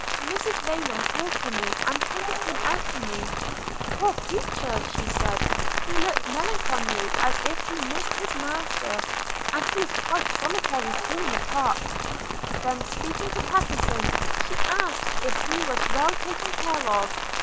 Mrs Rayland called to me, and pointed him out to me – 'Poor creature!' said she, 'he looks melancholy, as if he missed his master; and he is quite solitary too in the park.' Then speaking to Pattenson, she asked if he was well taken care of?